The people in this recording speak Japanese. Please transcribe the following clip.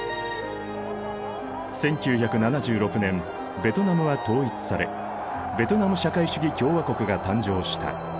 １９７６年ベトナムは統一されベトナム社会主義共和国が誕生した。